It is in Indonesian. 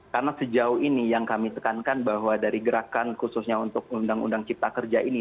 karena sejauh ini yang kami tekankan bahwa dari gerakan khususnya untuk undang undang cipta kerja ini